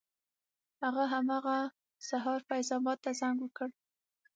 هغه همغه سهار فیض اباد ته زنګ وکړ.